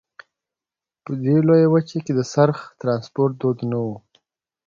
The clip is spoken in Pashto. په دې لویه وچه کې د څرخ ټرانسپورت دود نه وو.